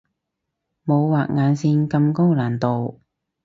冇畫眼線咁高難度